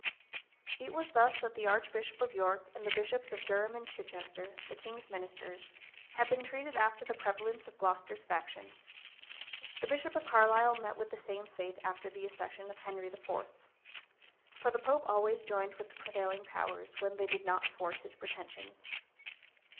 It was thus that the archbishop of York, and the bishops of Durham and Chichester, the king's ministers, had been treated after the prevalence of Glocester's faction: the bishop of Carlisle met with the same fate after the accession of Henry IV. For the pope always joined with the prevailing powers, when they did not thwart his pretensions.